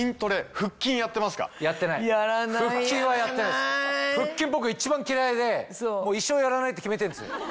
腹筋僕一番嫌いでもう一生やらないって決めてるんですよ。